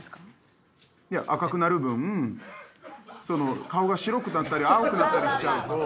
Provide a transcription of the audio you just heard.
いや赤くなる分その顔が白くなったり青くなったりしちゃうと。